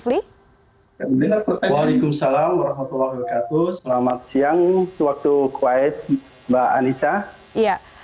waalaikumsalam warahmatullahi wabarakatuh selamat siang waktu kuwait mbak anissa